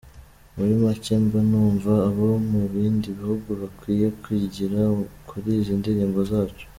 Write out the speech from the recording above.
Muri make mba numva abo mu bindi bihugu bakwiye kwigira kuri izi ndirimbo zacu.”